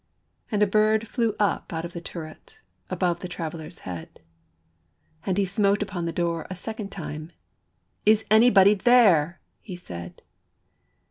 And a bird flew up out of the turret, Above the traveler's head: And he smote upon the door a second time; "Is there anybody there?" he said.